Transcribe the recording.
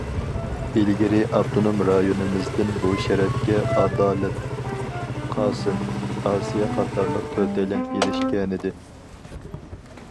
ئىلگىرى ئاپتونوم رايونىمىزدىن بۇ شەرەپكە ئادالەت قاسىم، ئاسىيە قاتارلىق تۆتەيلەن ئېرىشكەنىدى.